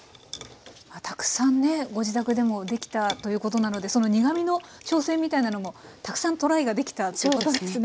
たくさんねご自宅でも出来たということなのでその苦みの調整みたいなのもたくさんトライが出来たということですね。